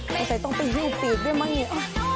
ไม่ใส่ต้องไปยูปีดด้วยมั้งนี่